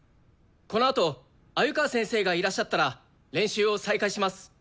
このあと鮎川先生がいらっしゃったら練習を再開します。